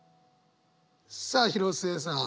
さあ広末さん。